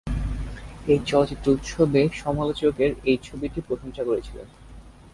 এই চলচ্চিত্র উৎসবে সমালোচকেরা এই ছবিটির প্রশংসা করেছিলেন।